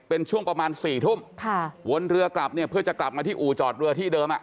เป็นช่วงประมาณสี่ทุ่มค่ะวนเรือกลับเนี่ยเพื่อจะกลับมาที่อู่จอดเรือที่เดิมอ่ะ